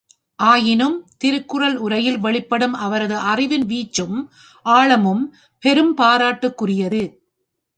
ஆயினும் திருக்குறள் உரையில் வெளிப்படும் அவரது அறிவின் வீச்சும் ஆழமும் பெரும் பாராட்டுக்குரியது.